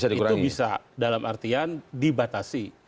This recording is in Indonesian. itu bisa dalam artian dibatasi